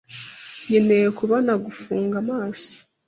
Nkeneye kubona-gufunga amaso.